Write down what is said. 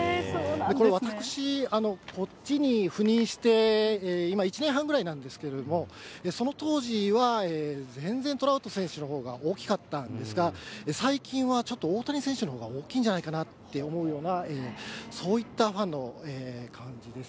これ、私、こっちに赴任して今１年半くらいなんですけれども、その当時は、全然トラウト選手のほうが大きかったんですが、最近はちょっと、大谷選手のほうが大きいんじゃないかなと思うような、そういったファンの感じです。